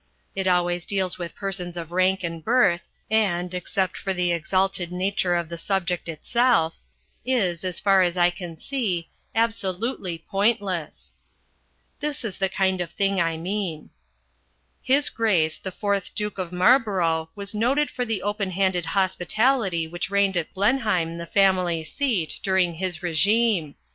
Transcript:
It always deals with persons of rank and birth, and, except for the exalted nature of the subject itself, is, as far as I can see, absolutely pointless. This is the kind of thing that I mean. "His Grace the Fourth Duke of Marlborough was noted for the open handed hospitality which reigned at Blenheim, the family seat, during his regime.